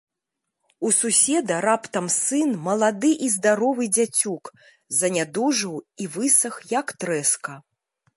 У суседа раптам сын, малады і здаровы дзяцюк, занядужаў і высах, як трэска.